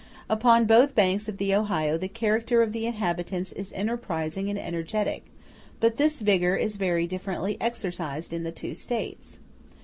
Upon both banks of the Ohio, the character of the inhabitants is enterprising and energetic; but this vigor is very differently exercised in the two States.